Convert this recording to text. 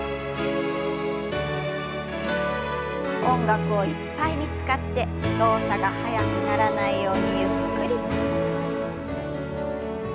音楽をいっぱいに使って動作が速くならないようにゆっくりと。